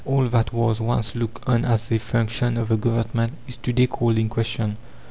All that was once looked on as a function of the Government is to day called in question.